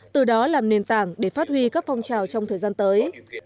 từ đó làm nền tảng để phát huy các phong trào trong thời gian tới